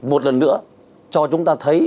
một lần nữa cho chúng ta thấy